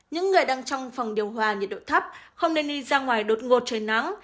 những người đang trong phòng điều hòa nhiệt độ thấp không nên đi ra ngoài đột ngột trời nắng